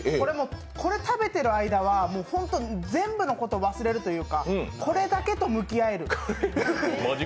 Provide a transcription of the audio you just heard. これ食べてる間はホント全部のことを忘れるというかこれだけと向き合える。